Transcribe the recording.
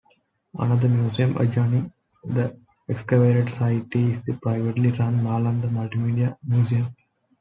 Another museum adjoining the excavated site is the privately run Nalanda Multimedia Museum.